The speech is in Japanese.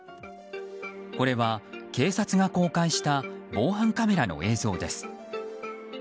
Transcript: これは警察が公開した防犯カメラの映像です。